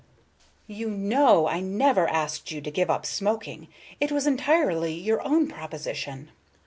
Miss Galbraith: "You know I never asked you to give up smoking. It was entirely your own proposition."